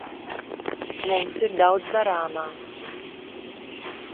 Mums ir daudz darāmā.